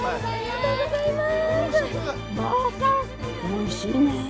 おいしいねえ。